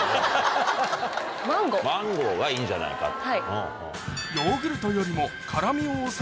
マンゴーがいいんじゃないかと。